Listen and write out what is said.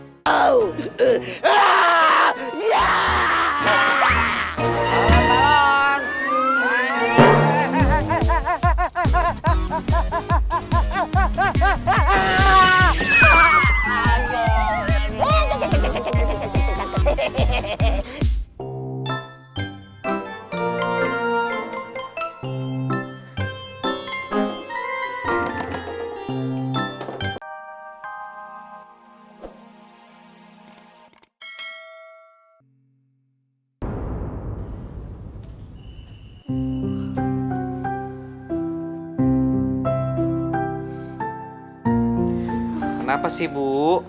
kenapa sih bu